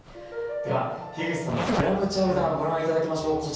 では口さんのクラムチャウダーご覧頂きましょう。